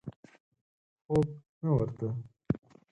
خوب نه ورته.